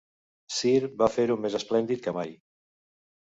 Cir va fer-ho més esplèndid que mai.